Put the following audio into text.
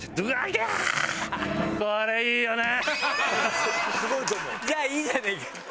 じゃあいいじゃねえか。